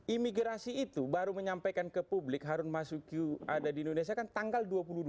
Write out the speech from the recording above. imigrasi itu baru menyampaikan ke publik harun masiku ada di indonesia kan tanggal dua puluh dua